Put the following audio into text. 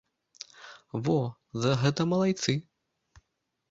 Во, за гэта малайцы.